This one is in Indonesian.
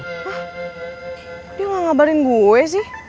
kok dia gak ngabarin gue sih